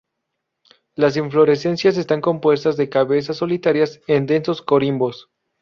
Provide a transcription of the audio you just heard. Las inflorescencias están compuestas de cabezas solitarias en densos corimbos.